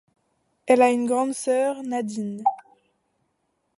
Elle a une grande sœur, Nadine.